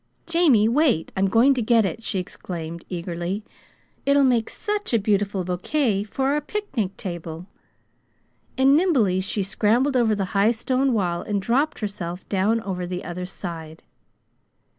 "Jamie, wait! I'm going to get it," she exclaimed eagerly. "It'll make such a beautiful bouquet for our picnic table!" And nimbly she scrambled over the high stone wall and dropped herself down on the other side.